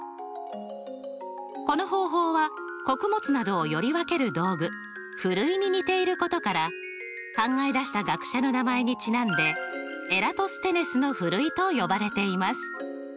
この方法は穀物などをより分ける道具ふるいに似ていることから考え出した学者の名前にちなんでエラトステネスのふるいと呼ばれています。